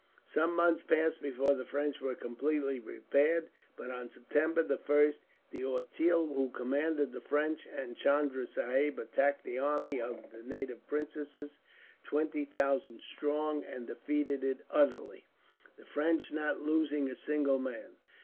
"Some months passed before the French were completely prepared; but on September the first, D'Auteuil, who commanded the French, and Chunda Sahib attacked the army of the native princes, twenty thousand strong, and defeated it utterly, the French not losing a single man.